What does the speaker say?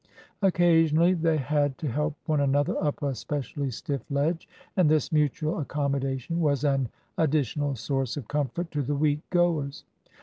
Occasionally they had to help one another up a specially stiff ledge, and this mutual accommodation was an additional source of comfort to the weak goers.